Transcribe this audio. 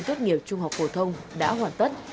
tốt nghiệp trung học phổ thông đã hoàn tất